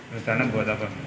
pesanan buat apa